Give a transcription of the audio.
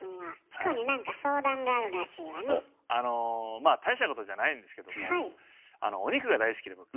まあ大したことじゃないんですけどもお肉が大好きで僕。